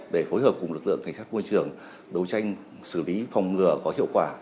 để phối hợp cùng lực lượng cảnh sát môi trường đấu tranh xử lý phòng ngừa có hiệu quả